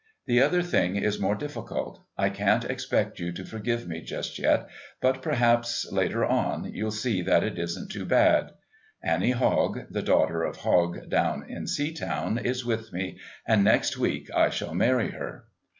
The other thing is more difficult. I can't expect you to forgive me just yet, but perhaps, later on, you'll see that it isn't too bad. Annie Hogg, the daughter of Hogg down in Seatown, is with me, and next week I shall marry her.